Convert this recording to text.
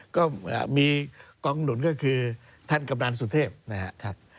ก็มีกองหนุนก็คือท่านกำนันสุเทพนะครับ